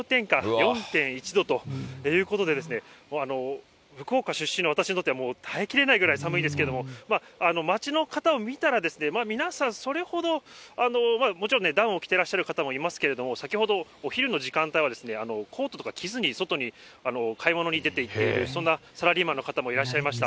４．１度ということで、福岡出身の私にとってはもう耐えきれないぐらい寒いですけれども、街の方を見たら、皆さん、それほど、もちろんね、ダウンを着てらっしゃる方もいますけれども、先ほど、お昼の時間帯は、コートとか着ずに外に買い物に出ていっている、そんなそんなサラリーマンの方もいらっしゃいました。